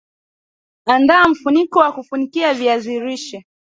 andaa mfuniko wa kufunikia viazi lishe